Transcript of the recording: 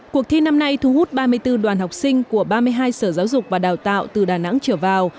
cuộc thi năm nay thu hút ba mươi bốn đoàn học sinh của ba mươi hai sở giáo dục và đào tạo từ đà nẵng trở vào